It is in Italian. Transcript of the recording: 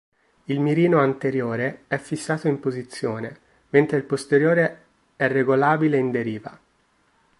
Il mirino anteriore è fissato in posizione, mentre il posteriore è regolabile in deriva.